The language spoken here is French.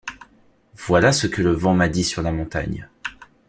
Voilà ce que le vent m’a dit sur la montagne.